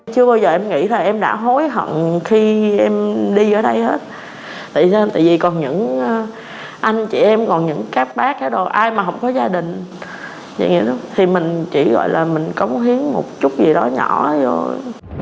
chưa bao giờ em nghĩ là em đã hối hận khi em đi ở đây hết tự nhiên tại vì còn những anh chị em còn những các bác đồ ai mà không có gia đình vậy thì mình chỉ gọi là mình cống hiến một chút gì đó nhỏ thôi